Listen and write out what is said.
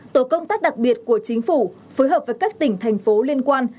tổ công tác đặc biệt của chính phủ phối hợp với các tỉnh thành phố liên quan